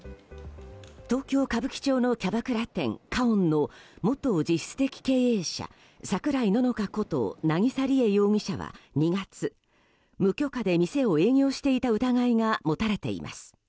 東京・歌舞伎町のキャバクラ店花音の元実質的経営者・桜井野の花こと渚りえ容疑者は２月無許可で店を営業していた疑いが持たれています。